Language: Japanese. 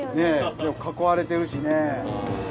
囲われてるしね。